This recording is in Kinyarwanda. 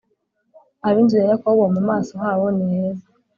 ab inzu ya Yakobo mu maso habo ni heza